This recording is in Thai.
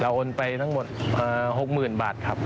โอนไปทั้งหมด๖๐๐๐บาทครับ